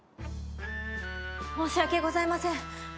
申し訳ございません！